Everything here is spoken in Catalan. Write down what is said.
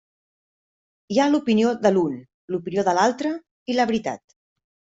Hi ha l'opinió de l’un, l’opinió de l’altre, i la veritat.